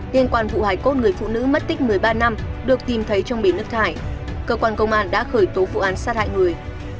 liên quan vụ hải cốt người phụ nữ mất tích một mươi ba năm được tìm thấy trong bể nước thải cơ quan công an đã khởi tố vụ án sát hại người